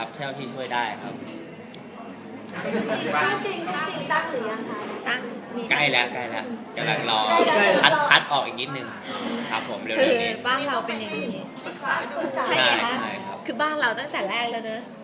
บ้านสาวคือบ้านเราตั้งจากแรกหละเนอะ